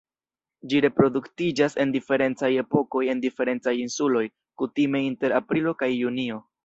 Ĝi reproduktiĝas en diferencaj epokoj en diferencaj insuloj, kutime inter aprilo kaj junio.